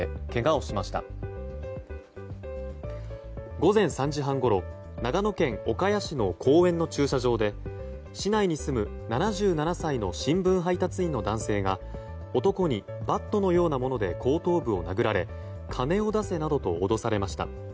午前３時半ごろ長野県岡谷市の公園の駐車場で市内に住む７７歳の新聞配達員の男性が男にバットのようなもので後頭部を殴られ金を出せなどと脅されました。